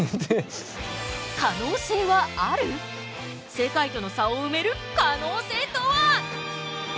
世界との差をうめる可能性とは？